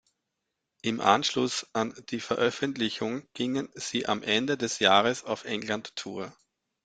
Im Anschluss an die Veröffentlichung gingen sie am Ende des Jahres auf England-Tour.